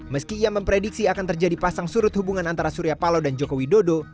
meski ia memprediksi akan terjadi pasang surut hubungan antara surya palo dan joko widodo